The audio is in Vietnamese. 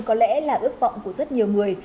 có lẽ là ước vọng của rất nhiều người